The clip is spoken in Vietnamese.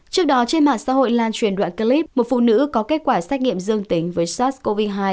trước đó trên mạng xã hội lan truyền đoạn clip một phụ nữ có kết quả xét nghiệm dương tính với sars cov hai